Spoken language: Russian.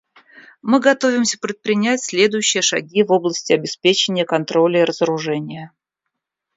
Мы готовимся предпринять следующие шаги в области обеспечения контроля и разоружения.